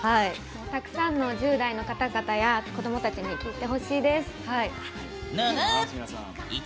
たくさんの１０代の方々や子どもたちに聞いてほしいです。